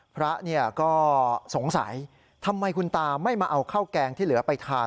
พระก็สงสัยทำไมคุณตาไม่มาเอาข้าวแกงที่เหลือไปทาน